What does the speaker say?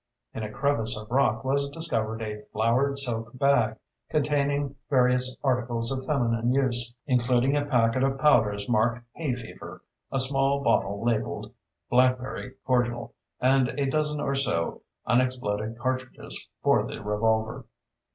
In a crevice of rock was discovered a flowered silk bag, containing various articles of feminine use, including a packet of powders marked "hay fever," a small bottle labeled "blackberry cordial," and a dozen or so unexploded cartridges for the revolver.